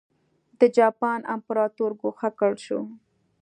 د جاپان امپراتور ګوښه کړل شو.